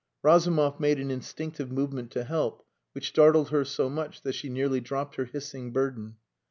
Razumov made an instinctive movement to help, which startled her so much that she nearly dropped her hissing burden.